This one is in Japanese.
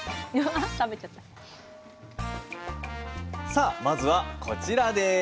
さあまずはこちらです。